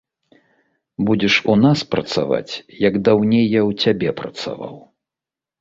Будзеш у нас працаваць, як даўней я ў цябе працаваў.